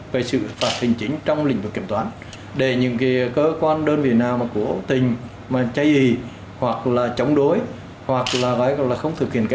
về sự phạt hình chính trong lĩnh vực kiểm toán cũng chưa được ban hành